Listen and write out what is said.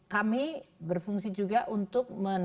kami berfungsi juga untuk